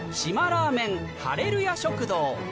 ラーメンハレルヤ食堂